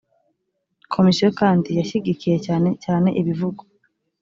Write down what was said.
komisiyo kandi yashyigikiye cyane cyane ibivugwa